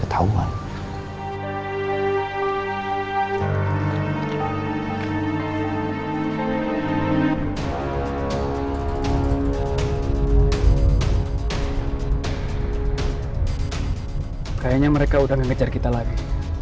kayaknya mereka udah gak kejar kita lagi